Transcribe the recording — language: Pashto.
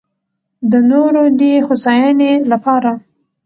د نورو دې هوساينۍ لپاره